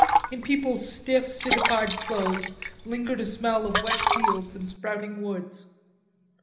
In people's stiff, citified clothes lingered a smell of wet fields and sprouting woods.